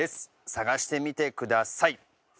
探してみてください。